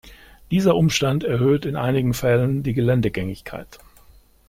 Dieser Umstand erhöht in einigen Fällen die Geländegängigkeit.